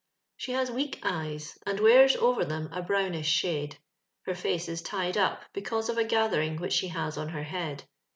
She has weak eyes, and wears over them a brownish shade. Her face is tied up, because of a gathering which she has on her head.